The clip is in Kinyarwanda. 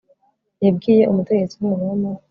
yabwiye umutegetsi w umuroma